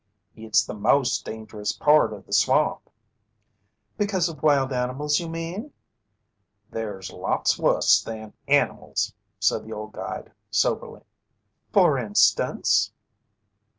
"It's the most dangerous part of the swamp." "Because of wild animals, you mean?" "There's lots wuss things than animals," said the old guide soberly. "For instance?"